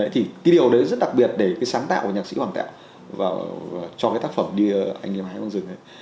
thì cái điều đấy rất đặc biệt để cái sáng tạo của nhạc sĩ hoàng tẹo cho cái tác phẩm đi anh đi hái mang rừng ấy